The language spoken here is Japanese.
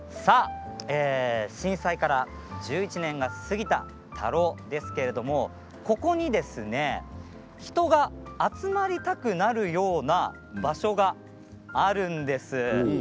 震災から１１年が過ぎた田老ですけれどここに人が集まりたくなるような場所があるんです。